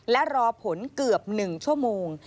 และรอผลเกือบ๑ชั่วโมง